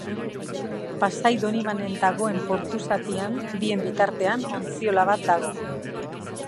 Pasai Donibanen dagoen portu zatian bien bitartean, ontziola bat dago.